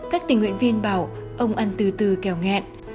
các tình nguyện viên bảo ông ăn từ từ kèo nghẹn